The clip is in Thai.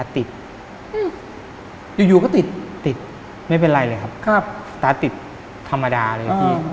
ติดอยู่ก็ติดติดไม่เป็นไรเลยครับตาติดธรรมดาเลยพี่